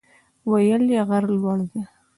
ویل یې غر لوړ دی.